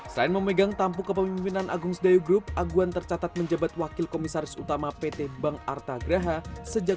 selain memegang tampu kepemimpinan agung sedayugro aguan tercatat menjabat wakil komisaris utama pt bank artagraha sejak seribu sembilan ratus sembilan puluh